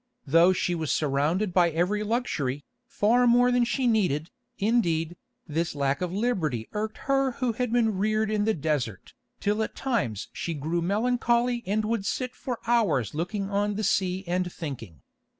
Though she was surrounded by every luxury, far more than she needed, indeed, this lack of liberty irked her who had been reared in the desert, till at times she grew melancholy and would sit for hours looking on the sea and thinking.